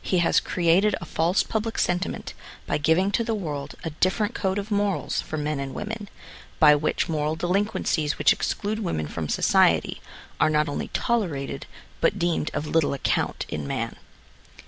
He has created a false public sentiment by giving to the world a dif ferent code of morals for men and women, by which moral delinquencies which exclude women from society, are not only tolerated, but deemed of little account in man.